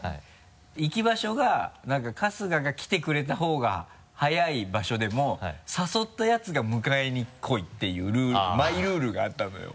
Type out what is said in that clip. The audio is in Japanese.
行き場所が何か春日が来てくれた方が早い場所でも誘ったヤツが迎えに来いっていうマイルールがあったのよ。